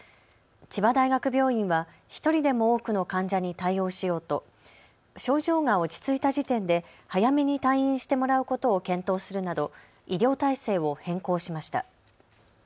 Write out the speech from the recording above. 千葉大学病院は１人でも多くの患者に対応しようと症状が落ち着いた時点で早めに退院してもらうことを検討するなど医療体制を変更しました。